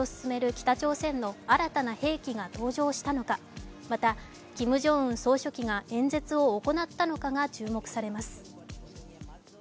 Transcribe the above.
北朝鮮の新たな兵器が登場したのかまた、キム・ジョンウン総書記が演説を行ったのかが注目されます。